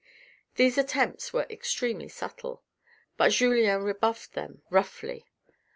These attempts were extremely subtle, but Julien rebuffed them roughly.